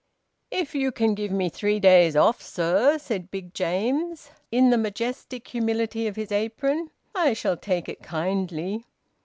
"If you can give me three days off, sir," said Big James, in the majestic humility of his apron, "I shall take it kindly."